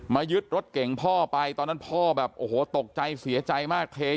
พ่อร้องไห้ค่ะพ่อก็บอกกันว่าเขายึดรถเราไปแล้ว